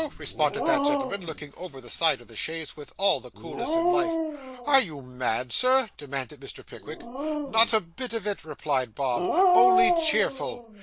responded that gentleman, looking over the side of the chaise with all the coolness in life. 'Are you mad, sir?' demanded Mr. Pickwick. 'Not a bit of it,' replied Bob; 'only cheerful.